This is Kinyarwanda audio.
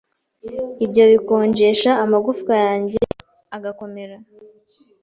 Ibyo bikonjesha amagufwa yanjye agakomera